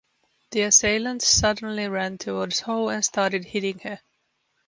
The assailant suddenly ran towards Ho and started hitting her.